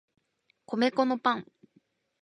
米粉のパン